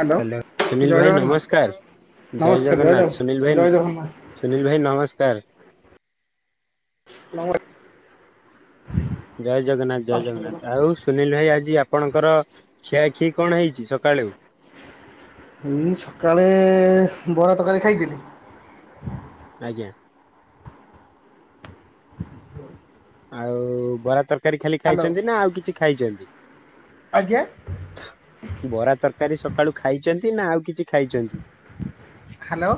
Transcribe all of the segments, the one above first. Hello hello ଜୟ ସୁନୀଲ୍ ଭାଇ ଜଗନ୍ନାଥ ନମସ୍କାର, ଜୟ ନମସ୍କାର ଜଗ ଜଗନ୍ନାଥ ସୁନୀଲ ଭାଇ ଜୟ ଜଗନ୍ନାଥ ସୁନୀଲ୍ ଭାଇ ନମସ୍କାର। [inaudible] ଜୟ ଜଗନ୍ନାଥ-ଜୟ ଜଗନ୍ନାଥ ଆଉ [unintelligible] ନିଲୁ ଭାଇ ଆଜି ଆପଣଙ୍କର ଖିଆଖିଇ କଣ ହେଇଚି ସକାଳୁ? ଏଇ ସକାଳେ ବରା ତରକାରୀ ଖାଇଥିଲି। ଆଜ୍ଞା। ଆଉ ବରା ତରକାରୀ ଖାଲି ହ୍ୟାଲୋ ଖାଇଚନ୍ତି, ନା ଆଉ କିଛି ଖାଇଚନ୍ତି? ଆଜ୍ଞା? ବରା ତରକାରୀ ସକାଳୁ ଖାଇଚନ୍ତି, ନା ଆଉ କିଛି ଖାଇଚନ୍ତି? ହାଲୋ।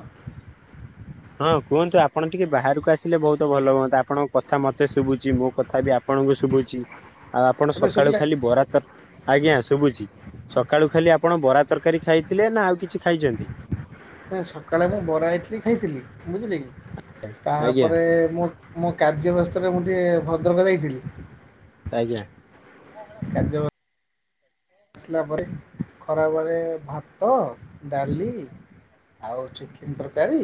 ହଁ କୁହନ୍ତୁ ଆପଣ ଟିକେ ବାହାରକୁ ଆସିଲେ ବହୁତ ଭଲ ହୁଅନ୍ତା, ଆପଣଙ୍କ କଥା ମୋତେ ଶୁଭୁଚି [unintelligible] କଥା ବି ଆପଣଙ୍କୁ ଶୁଭୁଚି, ଆଉ ଆପଣ ଏବେ ସକାଳୁ ଶୁଭିଲା ଖାଲି ବରା ତର ଆଜ୍ଞା ଶୁଭୁଚି, ସକାଳୁ ଖାଲି ଆପଣ ବରା ତରକାରୀ ଖାଇଥିଲେ ନା ଆଉ କିଛି ଖାଇଚନ୍ତି? [unintelligible] ସକାଳେ ମୁଁ ବରା ଇଟଲିି ଖାଇଥିଲି ବୁଝିଲେ କି, ଆଜ୍ଞା ତାପରେ ମୁଁ ମୋ କାର୍ଯ୍ୟ ବ୍ୟସ୍ତରେ ମୁଁ ଟିକେ ଭଦ୍ରକ ଯାଇଥେଲି। ଆଜ୍ଞା। କାଯ୍ୟ ଆସିଲା ପରେ ଖରାବେଳେ ଭାତ ଡାଲି ଆଉ ଚିକେନ୍ ତରକାରୀ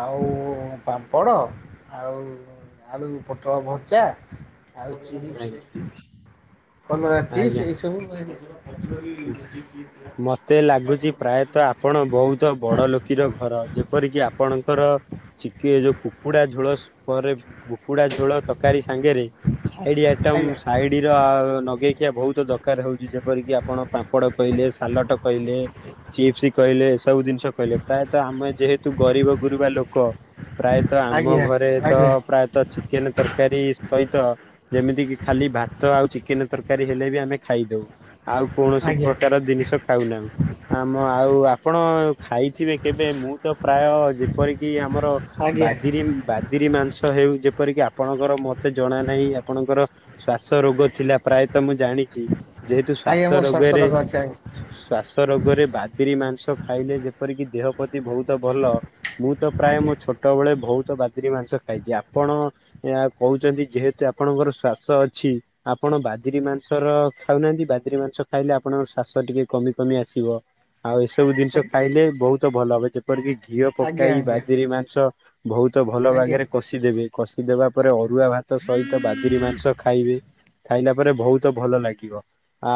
ଆଉ ପାମ୍ପଡ଼, ଆଉ ଆଳୁ ପୋଟଳ ଭଜା ଆଳୁ ଚିପ୍ସ୍, ଆଜ୍ଞା କଲରା ଚିପ୍ସ୍ ଆଜ୍ଞା। ଏଇ ସବୁ। ମତେ ଲାଗୁଚି ପ୍ରାୟତଃ ଆପଣ ବହୁତ୍ ତ ବଡ ଲୋକୀର ଘର, ଯେପରିକି ଆପଣଙ୍କର ଚିକେ ଯୋଉ କୁକୁଡା ଝୋଳ ଶ୍ ପରେ କୁକୁଡା ଝୋଳ ତରକାରୀ ସାଙ୍ଗରେ ସାଇଡି ଆଇଟମ ଆଜ୍ଞା ସାଇଡିର ନଗେଇଖିଆ ବହୁତ ଦରକାରେ ହଉଛି ଯେପରିକି ଆପ ପଣ ପାମ୍ପଡ଼ କହିଲେ, ସାଲଟ କହିଲେ ଚିପ୍ସ କହିଲେ ଏ ସବୁ ଜିନିଷ କହିଲେ, ପ୍ରାୟତଃ ଆମେ ଯେହେତୁ ଗରିବ ଗୁରୁବା ଲୋକ ପ୍ରାୟ ତ ଆମ ଆଜ୍ଞା ଘରେ ତ ଆଜ୍ଞା ପ୍ରାୟତଃ ଚିକେନ ତରକାରୀ ସହିତ ଯେମିତି କି ଖାଲି ଭାତ ଆଉ ଚିକେନ ତରକାରୀ ହେଲେ ବି ଆମେ ଖାଇଦଉ। ଆଉ କୌଣସି ଆଜ୍ଞା ପ୍ରକାର ଜିନିଷ ଖାଉନାଉ। ଆମ ଆଉ ଆପଣ ଖାଇଥିବେ କେବେ ମୁଁ ତ ପ୍ରାୟ ଯେପରିକି ଆମର ଆଜ୍ଞା ବାଦିରି ବାଦିରି ମାଂସ ହେଉ ଯେପରିକି ଆପଣଙ୍କର ମତେ ଜଣା ନାହିଁ ଆପଣଙ୍କର ଶ୍ଵାସ ରୋଗ ଥିଲା ପ୍ରାୟତଃ ମୁଁ ଜାଣିଛି ଯେହେତୁ ଆଜ୍ଞା ଶ୍ଵାସ ମୋ ରୋଗରେ ଶ୍ୱାସରୋଗ ଅଛି ଆଜ୍ଞା ଶ୍ଵାସ ରୋଗରେ ବାଦିରି ମାଂସ ଖାଇଲେ ଯେପରିକି ଦେହ ପ୍ରତି ବହୁତ ଭଲ ମୁଁ ତ ପ୍ରାୟ ଆଜ୍ଞା ମୋ ଛୋଟବେେଳେ ବହୁତ ବାଦିରି ମାଂସ ଖାଇଚି, ଆପଣ ଏହା କହୁଛନ୍ତି ଯେହେତୁ ଆପଣଙ୍କର ଶ୍ଵାସ ଅଛି ଆପଣ ବାଦିରି ମାଂସର ଖାଉନାହାନ୍ତି ବାଦିରି ମାଂ ସ ଖାଇଲେ ଆପଣଙ୍କର ଶ୍ୱାସ ଟିକେ କମି କମି ଆସିବ ଆଉ ଏସବୁ ଜିନିଷ ଖାଇଲେ ବହୁତ ଭଲ ହବ ଏ ଯେମ କରିକି ଘିଅ ଆଜ୍ଞା ପକାଇ ଆଜ୍ଞା ବାଦିରି ମାଂସ ବହୁତ ଭଲ ଆଜ୍ଞା ଆଜ୍ଞା ବାଗେରେ କଷିଦେବେ। କଷିଦବା ପରେ ଅରୁଆ ଭାତ ସହିତ ବାଦିରି ମାଂସ ଖାଇବେ। ଖାଇଲା ପରେ ବହୁତ ଭଲ ଲାଗିବ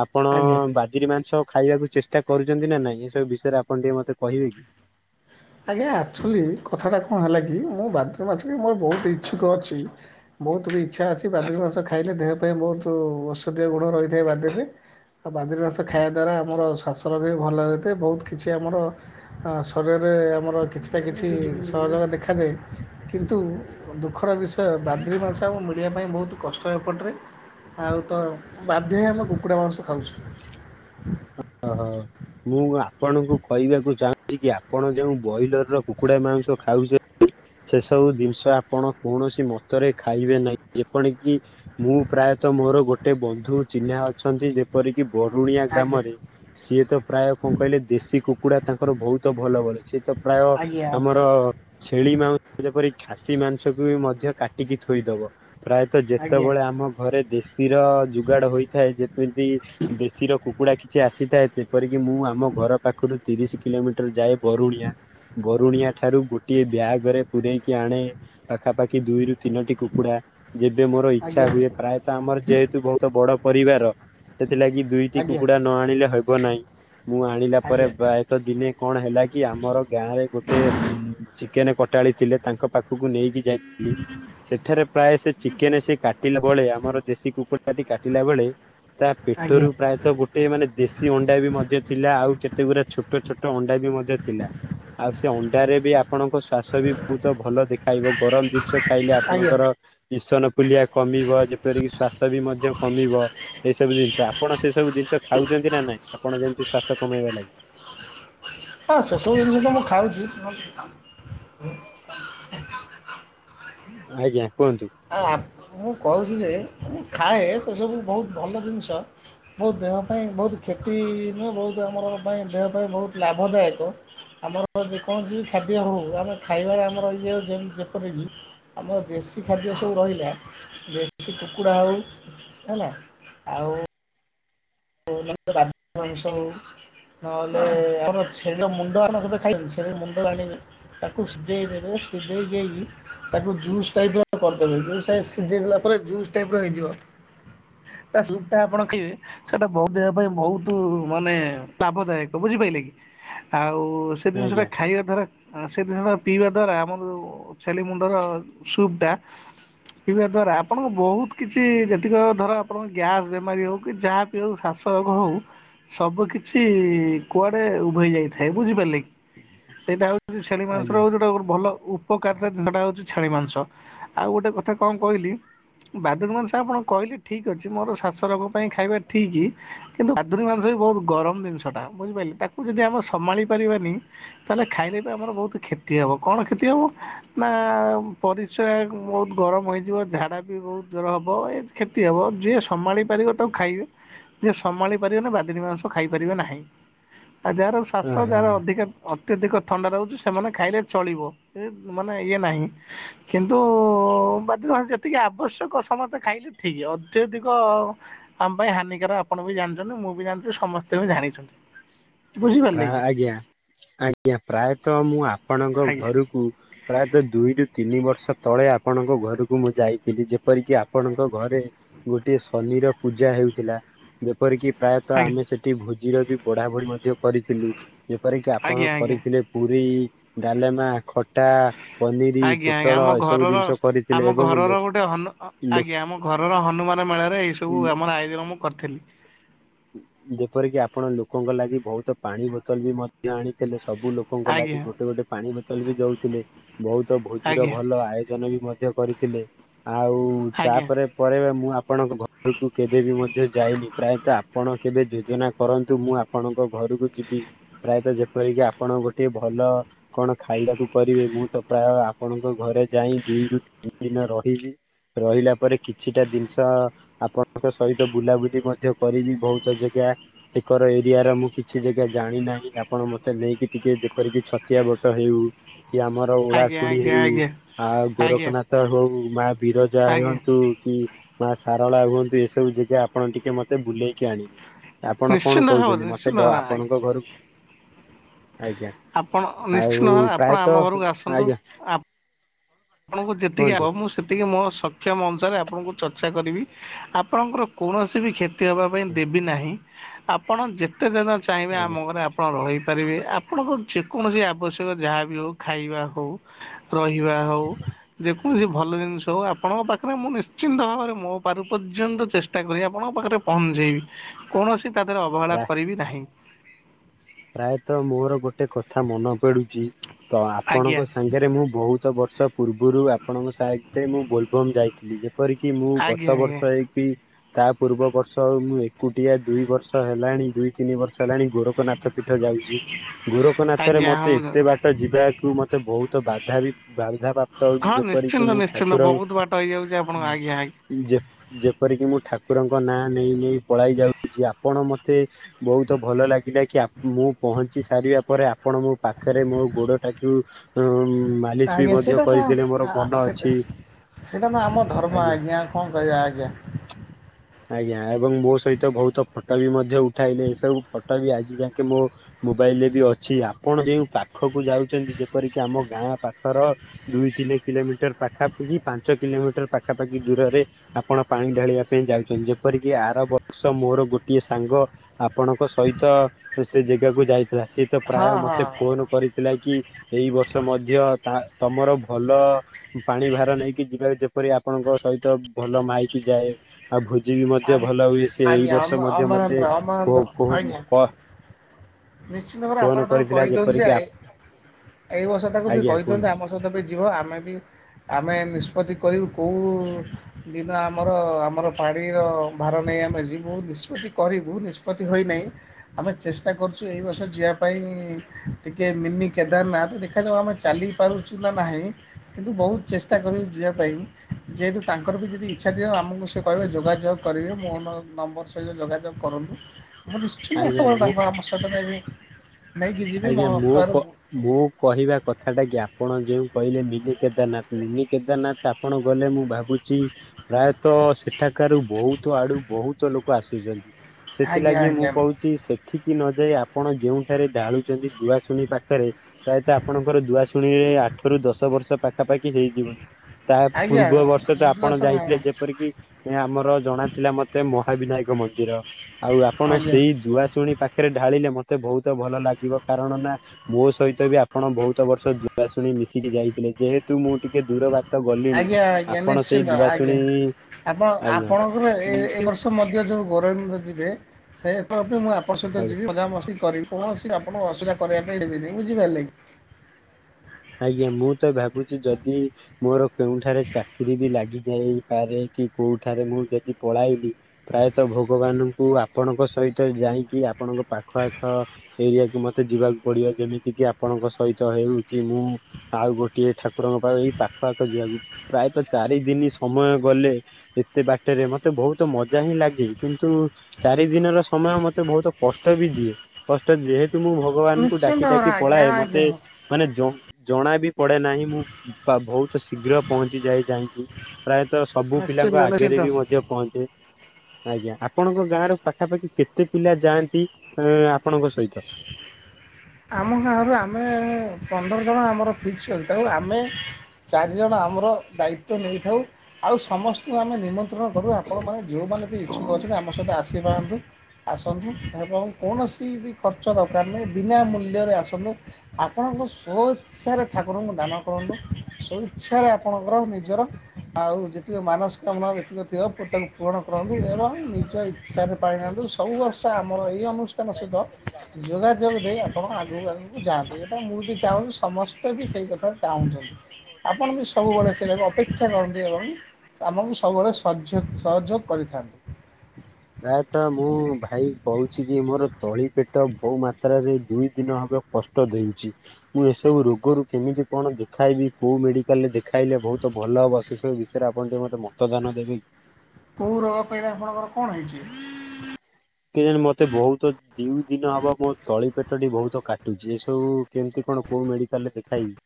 ଆପଣ ଆଜ୍ଞା ବା ଦିରି ମାଂସ ଖାଇବାକୁ ଚେଷ୍ଟା କରୁଛନ୍ତି ନା ନାଇଁ ଏ ସବୁ ବିଷୟରେ ଆପଣ ଟିକେ ମତେ କହିବେ କି? ଆଜ୍ଞା ଆକଚୁଆଲି କଥାଟା କଣ ହେଲା କି ମୁଁ ବାଦୁରି ମାଂସରେ ମୋର ବହୁତ ଇଚ୍ଛୁକ ଅଛି ବହୁତ ବି ଇଚ୍ଛା ଅଛି ବାଦୁଡ଼ି ମାଂସ ଖାଇଲେ ଦେହ ପାଇଁ ବହୁତ ଔଷଧୀୟ ଗୁଣ ରହିଥାଏ ବାଦୁରି ରେ ଆଉ ବାଦୁରି ମାସ ଖାଇବା ଦ୍ୱାରା ଆମର ଶ୍ୱାସରୋଗ ବି ଭଲ ହୋଇଥାଏ ବହୁତ କିଛି ଆମର ଅ ଶରୀରରେ ଆମର କିଛି ନା କିଛି ସହଯୋଗ ଦେଖାଯାଏ କିନ୍ତୁ ଦୁଃଖର ବିଷୟ ବାଦୁଡ଼ି ମାଂସ ଆମକୁ ମିଳିବା ପାଇଁ ବହୁତ କଷ୍ଟ ଏପଟରେ ଆଉ ତ ବାଧ୍ୟ ହେଇ ଆମେ କୁକୁଡ଼ା ମାଂସ ଖାଉଛୁ। ଓହୋ। ମୁଁ ଆପଣଙ୍କୁ କହିବାକୁ ଚାହୁଁଛି କି ଆପଣ ଯେଉଁ ବ୍ରଏଲର ର କୁକୁଡ଼ା ମାଂଉସ ଖାଉଛନ୍ତି ସେ ସବୁ ଜିନିଷ ଆପଣ କୌଣସି ମତରେ ଖାଇବେ ନାହିଁ ଯେପଣି କିି ମୁଁ ପ୍ରାୟତଃ ମୋର ଗୋଟେ ବନ୍ଧୁ ଚିହ୍ନା ଅଛନ୍ତି ଯେପରିକି ବରୁଣିଆ ଆଜ୍ଞା ଗ୍ରାମରେ ସିଏ ତ ପ୍ରାୟ କଣ କହିଲେ ଦେଶୀ କୁକୁଡ଼ା ତାଙ୍କର ବହୁତ ଭଲ ଭଲ ସିଏ ତ ପ୍ରାୟ ଆଜ୍ଞା ଆଜ୍ଞା ଆମର ଛେଳି ମାଂଉସ ଯେପରି ଖାସି ମାଂସକୁ ବି ମଧ୍ୟ କାଟିକି ଥୋଇଦବ ପ୍ରାୟ ତ ଆଜ୍ଞା ଯେତେବେଳେ ଆମ ଘରେ ଦେଶୀର ଯୁଗାଡ ହୋଇଥାଏ ଯେମିତି ଦେଶୀର କୁକୁଡା କି ଛି ଆସିଥାଏ ଯେପରିକି ମୁଁ ଆମ ଘର ପାଖରୁ ତିରିଶ କିଲୋମିଟର ଯାଏ ବରୁଣିଆ ବରୁଣିଆ ଠାରୁ ଗୋଟିଏ ବ୍ୟାଗରେ ପୂରେଇକି ଆଣେ ପାଖାପାଖି ଦୁଇରୁ ତିନୋଟି କୁକୁଡ଼ା ଯେବେ ମୋର ଇଚ୍ଛା ଆଜ୍ଞା ହୁଏ ପ୍ରାୟତଃ ଆମର ଯେହେତୁ ବହୁତ ବଡ ପରିବାର ସେଥିଲାଗି ଦୁଇଟି ଆଜ୍ଞା କୁକୁ ଡା ନ ଆଣିଲେ ହେବ ନାହିଁ ମୁଁ ଆଣିଲା ପରେ ଆଜ୍ଞା ପ୍ରାଏ ତ ଦିନେ କଣ ହେଲା କି ଆମର ଗାଁ ରେ ଗୋଟେ ଉଁ ଚିକେନ କଟାଳି ଥିଲେ ତାଙ୍କ ପାଖକୁ ନେଇକି ଯାଇଥିଲି ସେଠାରେ ପ୍ରାଏ ସେ ଚିକେନ ସେ କାଟିଲା ବେଳେ ଆମର ଦେଶୀ କୁକୁ ଡ଼ା ଟି କାଟିଲା ବେଳେ ତା ଆଜ୍ଞା। ପେଟରୁ ପ୍ରାୟତଃ ଗୋ ଗୋଟେ ମାନେ ଦେଶୀ ଅଣ୍ଡା ବି ମଧ୍ୟ ଥିଲା ଆଉ କେତେ ଗୁରେ ଛୋଟ ଛୋଟ ଅଣ୍ଡା ବି ମଧ୍ୟ ଥିଲା। ଆଉ ସେ ଅଣ୍ଡାରେ ବି ଆପଣଙ୍କ ଶ୍ୱାସ ବି ବହୁତ ଭଲ ଦେଖାଇବ ଗରମ ଜିନିଷ ଖାଇଲେ ଆଜ୍ଞା ଆପଣଙ୍କର ଇସନଫୁଲିଆ କମିବ, ଯେପରିକି ଶ୍ୱାସ ବି ମଧ୍ୟ କମିବ। ଏଇ ସବୁ ଜିନିଷ ଆପଣ ସେ ସବୁ ଜିନ୍ ଖାଉଛନ୍ତି ନା ନାଇଁ, ଆପଣ ଯେମିତି ଶ୍ଵାସ କମେଇବା ଲାଗି? ହଁ, ସେ ସବୁ ଜିନିଷ ତ ମୁଁ ଖାଉଚି, ବଟ୍ [inaudible] ଆଜ୍ଞା କୁହନ୍ତୁ। ଆଁ, ମୁଁ କହୁଛି ଯେ, ମୁଁ ଖାଏ, ସେ ସବୁ ବହୁତ ଭଲ ଜିନିଷ। ବହୁତ ଦେହ ପାଇଁ ବହୁତ କ୍ଷତି ନୁହେଁ, ବହୁତ ଆମର ପାଇଁ ଦେହ ପାଇଁ ବହୁତ ଲାଭଦାୟକ। ଆମର ଯେକୌଣସି ଖାଦ୍ୟ ହଉ, ଆମେ ଖାଇବାରେ ଆମର ଇଏ ଅଛି, ଯେପରିିକି ଆମର ଦେଶୀ ଖାଦ୍ୟ ସବୁ ରହିଲା, ଦେଶୀ କୁକୁଡ଼ା ହଉ ହେଲା, ଆଉ [unintelligible] ମାଂସ ହଉ। ନହେଲେ, ଆମର ଛେଳି ର ମୁଣ୍ଡ ଆପଣ କେବେ ଖାଇଚନ୍ତି? ଛେଳି ର ମୁଣ୍ଡ ଆଣିକି ତାକୁ ସିଯେଇ ଦେବେ। ସିଦେଇ ଦେଇକି ତାକୁ ଜୁସ୍ ଟାଇପ୍ ର କରିଦେବେ। [unintelligible] ସିଜେଇ ଦେଲା ପରେ ଜୁସ୍ ଟାଇପ୍ ର ହେଇଯିବ। ତା, ସୁପ୍ ଟା ଆପଣ ପିବେ। ସେଇଟା ବହୁତ୍ ଦେହ ପାଇଁ ବହୁତୁ ମାନେ ଲାଭଦାୟକ ବୁଝିପାଇଲେ କି! ଆଉ ସେ ଜିନିଷଟା ଆଜ୍ଞା ଖାଇବା ଦ୍ୱାରା ସେ ଜିନିଷ ଟା ପିଇବା ଦ୍ଵାରା ଆମର, ଛେଲି ମୁଣ୍ଡର ସୁପ୍ ଟା ପିଇବା ଦ୍ଵାରା ଆପଣଙ୍କ ବହୁତ କିଛି ଯେତିକ ଧର, ଆପଣଙ୍କ ଗ୍ୟାସ୍ ବେମାରୀ ହଉ କି ଯାହା ଯଉ ଶ୍ୱାସ ରଗ ହଉ ସବୁ କିଛି କୁଆଡେ ଉଭେଇ ଯାଇଥାଏ, ବୁଝିପାରିଲେ କି! ସେଇଟା ହଉ ଛେଳି ମାଂସର ଆଜ୍ଞା ହଉ ଯୋଟା ଭଲ ଉପ୍ ଉପକାରିତା ଦିଅଟା ହଉଛି ଛେଳି ମାଂସ। ଆଉ ଗୋଟେ କଥା କଣ କହିଲି ବାଦୁୁଡିମାଂସ ଆପଣ କହିଲେ ଠିକ୍ ଅଛି। ମୋର ଶ୍ୱାସ ରୋଗ ପାଇଁ ଖାଇବା ଠିକ୍। କିନ୍ତୁ ବାଦୁଡ଼ି ମାଂସ ବି ବହୁତ ଗରମ ଜିନିଷଟା। ବୁଝିପାଇଲେ, ତାକୁ ଯଦି ଆମେ ସମାଳି ପାରିବାନି ତାହେଲେ, ଖାଇଲେ ବି ଆମର ବହୁତ କ୍ଷେତି ହବ? କଣ କ୍ଷେତି ହବ? ନା ପରିସ୍ରା ବହୁତ ଗରମ ହୋଇଯିବ। ଝାଡ଼ା ବି ବହୁତ ଜର ହେବ ଏଁତି କ୍ଷେତି ହେବ। ଯିଏ ସମାଳି ପାରିବ, ତାକୁ ଖାଇବେ। ଯିଏ ସମାଳି ପାରିବେନା ବାଦିରୀ ମାଂସ ଖାଇ ପାରିବେ ନାହିଁ। ଆଉ ଯାହାର ସ ଶ୍ୱାସ ଓହୋ ଯାହାର ଅଧିକା ଅତ୍ୟଧିକ ଥଣ୍ଡା ରହୁଛି। ସେମାନେ ଖାଇଲେ ଚଳିବ। ଏ ମାନେ ଇଏ ନାହିଁ। କିନ୍ତୁ-ଉ ବାଦୁରୀ ମାଂସ ଯେତିକି ଆବଶ୍ୟକ ସମସ୍ତେ ଖାଇଲେ ଠିକ୍ ଅତ୍ୟଧିକ ଆମ ପାଇଁ ହାନିକାର ଆପଣ ବି ଜାଣିଚନ୍ତି। ମୁଁ ବି ଜାଣିଚି, ସମସ୍ତେ ବି ଜାଣିଛନ୍ତି। ପ୍ରା ବୁଝିପାରିଲେ କି ଆଜ୍ଞା, ଆଜ୍ଞା ପ୍ରାୟତଃ ମୁଁ ଆପଣଙ୍କ ଆଜ୍ଞା ଘରକୁ ପ୍ରାୟତଃ ଦୁଇରୁ ତିନି ବର୍ଷ ତଳେ ଆପଣଙ୍କ ଘରକୁ ମୁଁ ଯାଇଥିଲି। ଯେପରିକି ଆପଣଙ୍କ ଘରେ ଗୋଟଏ ଶନିର ପୂଜା ହେଉଥିଲା। ଯେପରିକି ପ୍ରାୟତଃ, ଆଜ୍ଞା ଆମେ ସେଠି ଭୋଜିର ବି ବଢା ବଢ଼ି ମଧ୍ୟ କରିଥିଲୁ। ଯେପରିକି ଆପଣ ଆଜ୍ଞା ଆଜ୍ଞା କରିଥିଲେ ପୁରୀ, ଡାଲେମା, ଖଟା ପନିର, ଆଜ୍ଞା, ଜ୍ଞା, ପୋଟଳ ଆମ ଏସବୁ ଘରର ଜିନିଷ କରିଥିଲେ ଆମ ଏବଂ ଲୋ ଘରର ଗୋଟେ ହନୁ, ଆଜ୍ଞା, ଆମ ଘରର ହନୁମାନ ମେଳାରେ ଏଇ ସବୁ ଲୋ ଆମର ଆୟଜନ ମୁଁ କରିଥିଲି। ଯେପରିକି ଆପଣ ଲୋକଙ୍କ ଲାଗି ବହୁତ ପାଣି ବୋତଲ ବି ମଧ୍ୟ ଆଣିଥିଲେ ସବୁ ଲୋକ୍ କଙ୍କ ଲାଗି ଆଜ୍ଞା ଗୋଟେ ଗୋଟେ ପାଣି ବୋତଲ ବି ଦଉଥିଲେ। ବହୁତ ଭୋଜିର ଆଜ୍ଞା ଭଲ ଆୟୋଜନ ବି ମଧ୍ୟ କରିଥିଲେ, ଆଉ ଆଜ୍ଞା ଆଜ୍ଞା ତା'ପରେ ପରେ ମୁଁ ଆପଣଙ୍କ ଘରକୁ କେବେ ବିି ମଧ୍ୟ ଯାଇନି ପ୍ରାୟତଃ ଆ ପଣ କେବେ ଯୋଜନା କରନ୍ତୁ ମୁଁ ଆପଣଙ୍କ ଘରକୁ ଯିବି। ପ୍ରାୟତଃ ଯେପରିକି ଆପଣ ଗୋଟିଏ ଭଲ କଣ ଖାଇବାକୁ କରିବେ ମୁଁ ତ ପ୍ରାୟ ଆପଣଙ୍କ ଘରେ ଯାଇଁ ଦୁଇରୁ ତିନି ଦିନ ରହିବି। ରହିଲା ପରେ କିଛିଟା ଦିନିଷ ଆପଣଙ୍କ ସହିତ ବୁଲାବୁଲି ମଧ୍ୟ କରିବି। ବୋହୁତ ଜଗା। ଏକର ଏରିଆ ର ମୁଁ କିଛି ଜାଗା ଜାଣିନାହିଁ ଆପଣ ମତେ ନେଇକି ଟିକେ ଯେପରିକି ଛତିଆ ବଟ ହେଉ କି ଆମର ଓଳା ଶୁଣି ଆଜ୍ଞା ଆଜ୍ଞା ହେଉ ଆଜ୍ଞା ଆ ଆଜ୍ଞା ଗୋରକନା ତ ହୋଉ ମା ବିରଜା ଆଜ୍ଞା। ହୁଅନ୍ତୁ। କି ମା ସାରଳା ହୁଅନ୍ତୁ ଏସବୁ ଜାଗା ଆପଣ ଟିକେ ମତେ ବୁଲେଇକି ଆଣିବେ। ଆପଣ କଣ ନିଶ୍ଚିନ୍ତ ଭାବରେ କହୁଛନ୍ତି ମତେ ନିଶ୍ଚିନ୍ତ ଡ ଭାବରେ ଆପଣଙ୍କ ଘରକୁ ଆଜ୍ଞା। ଆପଣ ନିଶ୍ଚିନ୍ତ ଆଉ ଭାବରେ ଆପଣ ଆମ ପ୍ରାୟତଃ ଘରକୁ ଆସନ୍ତୁ। ଆଜ୍ଞା। ଆପଣଙ୍କୁ ଯେତିକି କୁହନ୍ତୁ ଆବ ମୁଁ ସେତିକି ମୋ ସ କ୍ଷମ ଅନୁସାରେ ଆପଣଙ୍କୁ ଚର୍ଚ୍ଚା କରିବି ଆପଣଙ୍କର କୌଣସି ବି କ୍ଷତି ହବା ପାଇଁ ଦେବି ନାହିଁ। ଆପଣ ଯେତେଦିନ ଚାହିଁବେ ଆଜ୍ଞା ଆମ ଘରେ ଆପ ଆପଣ ରହିପାରିବେ ଆପଣଙ୍କ ଯେକୌଣସି ଆବଶ୍ୟକ ଯାହା ବି ହୋଉ ଖାଇବା ହୋଉ ରହିବା ହୋଉ ଯେକୌଣସି ଭଲ ଜିନିଷ ହଉ ଆପଣଙ୍କ ପାଖରେ ମୁଁ ନିଶ୍ଚିନ୍ତ ଭାବରେ ମୋ ପାରୁ ପର୍ଯ୍ୟନ୍ତ ଚେଷ୍ ଟା କରି ଆପଣଙ୍କ ପାଖରେ ପହଞ୍ଚେଇବି କୌଣସି ତା ଦେହରେ ଅବହେଳା ପ୍ରାୟ କରିବି ନାହିଁ। ପ୍ରାୟତଃ ମୋର ଗୋଟେ କଥା ମନେ ପେଡ଼ୁଚି ତ ଆଜ୍ଞା। ଆପଣଙ୍କ ସା ଗେରେ ମୁଁ ବୋହୁତ ବର୍ଷ ପୂର୍ବରୁ ଆପଣଙ୍କ ସାହିତେ ମୁଁ ବୋଲବମ୍ ଯାଇଥିଲି ଯେ ପରିକି ମୁଁ ଆଜ୍ଞା ଗତ ଆଜ୍ଞା ବର୍ଷ ଏଇଟି ତା ପୂର୍ବ ବର୍ଷ ମୁଁ ଏକୁଟିଆ ଦୁଇ ବର୍ଷ ହେଲାଣି ଦୁଇ ତିନି ବର୍ଷ ହେଲାଣି ଗୋରକନାଥ ଟ ଯାଉଛି ଗୋରଖନାଥରେ ଆଜ୍ଞା ମତେ ହଁ ଏତେ ବାଟ ଯିବା ହେତୁରୁ ମତେ ବୋହୁତ ବାଧା ବି ବାଧା ପ୍ରା ତ ହଉଛି ହଁ ଯେପରିକି ନିଶ୍ଚିନ୍ତ ମୁଁ ନିଶ୍ଚିନ୍ତ ଠାକୁର ହୁଁ ବହୁତ ବାଟ ହେଇଯାଉଛି ଆପଣଙ୍କ ଆଜ୍ଞା ଆଜ୍ଞା। ଯେ ଯେପରିକି ମୁଁ ଠାକୁରଙ୍କ ନାଁ ନେଇ ନେଇ ପଳାଇ ଯାଉଚି ଆପଣ ମତେ ବୋହୁତ ଭଲ ଲାଗିଲା କି ଆ ମୁଁ ପହଞ୍ଚି ସାରିବା ପରେ ଆପଣ ମୋ ପାଖରେ ମୋ ଗୋଡ଼ଟାକୁ ଉଁ ମା ଆଜ୍ଞା ସେଇଟା ତ ଆ ସେଟା ସେଟା ମ ଆମ ଧର୍ମ ଆଜ୍ଞା। କଣ କହିବା ଆଜ୍ଞା? ଆଜ୍ଞା ଏବଂ ମୋ ସହିତ ବୋହୁତ ଫଟୋ ବି ମଧ୍ୟ ଉଠାଇଲେ ଏସବୁ ଫଟୋ ବି ଆଜି ଯାଙ୍କେ ମୋ ମୋବାଇଲ୍ ରେ ବି ଅଛି ଆପଣ ଯେଉଁ ପାଖକୁ ଯାଉଛନ୍ତି ଯେପରିକି ଆମ ଗାଁ ପାଖର ଦୁଇ ତିନି କିଲୋମିଟର ପାଖାପାଖି ପାଞ୍ଚ କିଲୋମିଟର ପାଖାପାଖି ଦୂରରେ ଆପଣ ପାଣି ଢ଼ାଳିବା ପାଇଁ ଯାଉଚନ୍ତି, ଯେପରିକି ଆର ବର୍ଷ ମୋର ଗୋଟିଏ ସାଙ୍ଗ ଆପଣଙ୍କ ସହିତ ସେ ଜେଗାକୁ ଯାଇଥି ସିଏ ତ ପ୍ରାୟ ହଁ ହଁ ମତେ ଫୋନ କରିଥିଲା କି ଏଇ ବର୍ଷ ମଧ୍ୟ ତା ତମର ଭଲ ପାଣି ଭାର ନେଇକି ଯିବାକୁ ଜ ପରି ଆପଣଙ୍କ ସହିତ ଭଲ ମାଇକି ଯାଏ। ଆଉ ଭୋଜି ବି ମଧ୍ୟ ଆମ ଭଲ ହୁଏ, ସେ ଏଇ ଆଜ୍ଞା ବର୍ଷ ମଧ୍ୟ ମତେ ଅମରେନ୍ଦ୍ର ଫୋ ଅମରେନ୍ଦ୍ର ଫୋ ଆଜ୍ଞା। ଅ ନିଶ୍ଚିନ୍ତ ଭାବରେ ଆପଣ ତାଙ୍କୁ କରିଦିଅନ୍ତୁ ଯେ ଏଇ ବର୍ଷ ତାଙ୍କୁ ବି ଆଜ୍ଞା କରିଦିଅନ୍ତୁ କୁହନ୍ତୁ ଆମ ସ ସହିତ ବି ଯିବ, ଆମେ ବି ଆମେ ନିଷ୍ପତି କରିବୁ କୋଉ ଦିନ ଆମର ଆମର ପାଣିର ଭାର ନେଇ ଆମେ ଯିବୁ ନିଷ୍ପତ୍ତି କରିବୁ ନିଷ୍ପତ୍ତି ହୋଇନାହିଁ। ଆମେ ଚେଷ୍ଟା କରୁଚୁ ଏଇ ବର୍ଷ ଯିବା ପାଇଁ ଟିକେ ମିନି କେଦାରନାଥ ଦେଖାଯାଉ ଆମେ ଚାଲି ପାରୁଛୁ ନା ନାହିଁ। କିନ୍ତୁ ବହୁତ ଚେଷ୍ଟା କରିବୁ ଯିବା ପାଇଁ। ଯେହେତୁ ତାଙ୍କର ବି ଯଦି ଇଚ୍ଛା ଦିିବ ଆମକୁ ସେ କହିବେ ଯୋଗାଯୋଗ କରିବେ ମୋ ନମ୍ବର ଯୋଗାଯୋଗ କରନ୍ତୁ ଆମ ନିଶ୍ଚିନ୍ତ ଆଜ୍ଞା ଭାବରେ ମୁଁ ତାଙ୍କ ଆମ ସହିତରେ ବି ଆଜ୍ଞା ମୁଁ କ ମୁଁ କହିବା କଥାଟା କି ଆପଣ ଯୋଉଁ କହିଲେ ମିନି କେଦାରନାଥ ମିନି କେଦାରନାଥ ଟା ଆପଣ ଗଲେ ମୁଁ ଭାବୁଛି ପ୍ରାୟତଃ ସେଠାକାରୁ ବହୁତ ଆଡୁ ବହୁତ ଲୋକ ଆସୁଛନ୍ତି। ଆଜ୍ଞା ସେଥିଲାଗି ମୁଁ ଆଜ୍ଞା କହୁଛି ସେଠିକି ନଯାଇଏ ଆପଣ ଯୋଉଁଠାରେ ଡାଳୁ ଜୁଆ ଶୁଣି ପାଖରେ ପ୍ରାୟତଃ ଆପଣଙ୍କର ଦୁଆ ଶୁଣି ଆଠ ରୁ ଦଶ ବର୍ଷ ପାଖାପାଖି ହେଇଯିବଣୀ ତା ଆଜ୍ଞା ପୂର୍ବ ବର୍ଷ ତ ଆପଣ ବୁଝିପାରୁଛନ୍ତି ନା? ଯାଇଥିଲେ ଯେପରିକି ଆମର ଜଣା ଥିଲା ମତେ ମହାବିନାୟକ ମନ୍ଦିର, ଆଉ ଆପଣ ଆଜ୍ଞା ସେଇ ଦୁଆ ଶୁଣି ପାଖ ପାଖରେ ଢାଳିଲେ ମତେ ବହୁତ ଭଲ ଲାଗିବ। କାରଣ ନା ମୋ ସହିତ ବି ଆପଣ ବହୁତ ବର୍ଷ ଦୁଆ ଶୁଣି ମିଶିକି ଯାଇଥିଲେ, ଯେହେତୁ। ତୁ ମୁଁ ଟିକେ ଦୂର ବାଟ ଗଲିଣି ଆଜ୍ଞା ଆଜ୍ଞା ଆପଣ ସେଇ ନିଶ୍ଚିନ୍ତ ଦୁଆ ଆଜ୍ଞା। ଶୁଣି ଆପଣ ଆପଣଙ୍କର ଏ ଏଇ ବର୍ଷ ମଧ୍ୟ ଯେଉଁ ଗୌରୋଇ ମନ୍ଦିର ଯିବେ ସେପରଠୁ ମୁଁ ଆପଣ ସହିତ ଆଜ୍ଞା। ଯିବି ମଜାମସ୍ କରିବି। କୌଣସି ଆପଣ ଅସୁବିଧା କରିବା ପାଇଁ ହେବେନି, ବୁଝିପାରିଲେ କି? ଆଜ୍ଞା ମୁଁ ତ ଭାବୁଛି ଯଦି ମୋର କେଉଠାରେ ଚାକିର ବି ଲାଗି ଯାଇପାରେ କି କୋଉଠାରେ ମୁଁ ଯଦି ପଳାଇଲି ପ୍ରାୟତଃ ଭଗବାନଙ୍କୁ ଆପଣଙ୍କ ସହିତ ଯାଇକି ଆପଣଙ୍କ ପାଖ ଆଖ ଏରିଆକୁ ମତେ ଯିବାକୁ ପଡିବ ଯେମିତି କି ଆପଣଙ୍କ ସହିତ ହେଉ କି ମୁଁ ଆଉ ଗୋଟିଏ ଠାକୁରଙ୍କ ପା ଏଇ ପାଖ ପାଖ ଯିବାକୁ। ପ୍ରାୟତଃ ଚାରି ଦିନ ସମୟ ଗଲେ ଏତେ ବାଟରେ ମତେ ବହୁତ ମଜା ହିଁ ଲାଗେ, କିନ୍ତୁ ଚାରି ଦିନର ସମୟ ମତେ ବହୁତ କଷ୍ଟ ବି ଦିଏ, କଷ୍ଟ ଯେହେତୁ ମୁଁ ଭ ଭଗବାନଙ୍କୁ ନିଶ୍ଚିନ୍ତ ଡାକି ଭାବରେ ଡାକି ଆଜ୍ଞା ପଳାଏ ମତେ ଆଜ୍ଞା ମାନେ ଜ ଜଣା ବି ପଡେ ନାହିଁ। ମୁଁ ବହୁତ ଶୀଘ୍ର ପହଞ୍ଚିଯାଏ ଯାଇକି। ପ୍ରାୟତଃ ସବୁ ନିଶ୍ଚିନ୍ତ ପିଲାଙ୍କ ନିଶ୍ଚିନ୍ତ। ଆଗରେ ବି ମଧ୍ୟ ପହଞ୍ଚେ। ଆଜ୍ଞା ଆପଣଙ୍କ ଗାଁ ର ପାଖାପାଖି କେତେ ପିଲା ଯାଆନ୍ତି ଆପଣଙ୍କ ସହିତ? ଆମ ଗାଁରୁ ଆମେ ପନ୍ଦର ଜଣ ଆମର ଫିକ୍ସି ଅଛି, ତେଣୁ ଆମେ ଚାରି ଜଣ ଆମର ଦାୟିତନେଇଥାଉ ଆଉ ସମସ୍ତଙ୍କୁ ଆମେ ନିମ ତ୍ରଣ କରୁ ଆପଣ ମାନ ଯୋଉମାନେ ବି ଇଚ୍ଛୁକ ଅଛନ୍ତି ଆମ ସହିତ ଆସି ପାଆନ୍ତୁ ଆସନ୍ତୁ ଏବଂ କୌଣସି ବି ଖର୍ଚ୍ଚ ଦରକାର ନାହିଁ ବିନା ମୂଲ୍ୟରେ ଆସନ୍ତୁ ଆପଣଙ୍କ ସ୍ୱଇଚ୍ଛାରେ ଠାକୁରଙ୍କୁ ଦାନ କରନ୍ତୁ ସ୍ୱ ଇଚ୍ଛାରେ ଆପଣଙ୍କର ନିଜର ଆଉ ଯେତିକି ମାନସ୍କାମନା ଯେତିକି ଥିବ ପ୍ରତ୍ୟେକ ପୂରଣ କରନ୍ତୁ ଏବଂ ନିଜ ଇଚ୍ଛାରେ ପାଣି ନିଅନ୍ତୁ ସବୁ ତା ଆମର ଏଇ ଅନୁଷ୍ଠାନ ସହିତ ଯୋଗାଯୋଗ ଦେଇ ଆ ଆପଣ ଆଗକୁ ଆଗକୁ ଯାଆନ୍ତୁ ଏଇଟା ମୁଁ ବି ଚାହୁଁନି ସମସ୍ତେ ବି ସେଇ କଥା ଚାହୁଁଛନ୍ତି ଆପଣ ବି ସବୁଥିଲେ ଅପେକ୍ଷା କରନ୍ତିି ଏବଂ ଆମକୁ ସବୁବେଳେ ସହ ସହଯୋଗ କରିଥାନ୍ତ। ପ୍ରାୟ ତ ମୁଁ ଭାଇ କହୁଛି କି ମୋର ତଳି ପେଟ ବୋଉ ମାତ୍ରାରେ ଦୁଇ ଦିନ ହବ ସ୍ପଷ୍ଟ ଦେଉଛି ମୁଁ ଏସବୁ ରୋଗରୁ କେମିତି କଣ ଦେଖାଇବି କୋଉ ମେଡିକାଲ ରେ ଦେଖାଇଲେ ବହୁତ ଭଲ ହବ ସେସବୁ ବି ସେଥିରେ ଆପଣ ଟିକେ ମୋତେ ମତଦାନ ଦେବେ କି? କୋଉ ରୋକ କହିଲେ ଆପଣଙ୍କର କଣ ହେଇଛି? କେଜାଣି ମତେ ବହୁତ ଦିଇ ଦିନ ହବ ମୋ ତଳି ପେଟଟି ବହୁତ କାଟୁଛି। ଏସବୁ କେମିତି କଣ୍ କୋଉ ମେଡିକାଲ ରେ ଦେଖାଇବି?